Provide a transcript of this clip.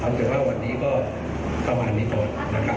ถึงว่าวันนี้ก็ประมาณนี้ก่อนนะครับ